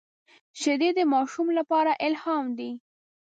شیدې د ماشوم لپاره الهام دي